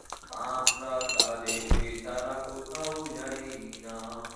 আমরা তাদেরকে ছাড়া কোথাও যাই না।